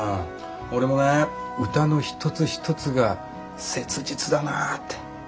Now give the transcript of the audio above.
俺もね歌の一つ一つが切実だなぁって。